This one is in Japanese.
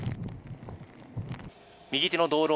右手の道路